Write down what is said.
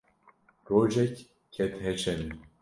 rojek ket heşê min.